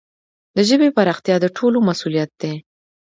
د ژبي پراختیا د ټولو مسؤلیت دی.